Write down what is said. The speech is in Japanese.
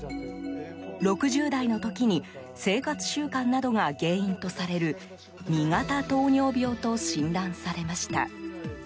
６０代の時に生活習慣などが原因とされる２型糖尿病と診断されました。